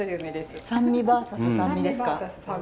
酸味バーサス酸味ですか。